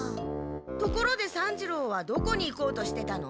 ところで三治郎はどこに行こうとしてたの？